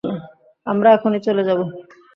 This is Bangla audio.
আমরা এখনই চলে যাব।